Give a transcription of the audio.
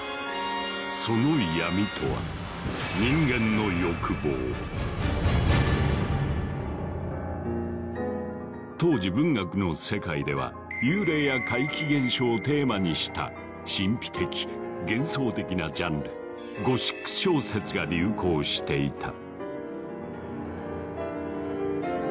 その闇とは当時文学の世界では幽霊や怪奇現象をテーマにした神秘的幻想的なジャンル「ゴシック小説」が流行していた。